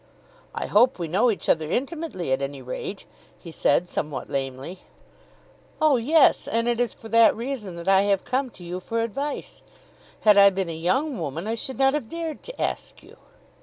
"I hope we know each other intimately at any rate," he said somewhat lamely. "Oh, yes; and it is for that reason that I have come to you for advice. Had I been a young woman I should not have dared to ask you."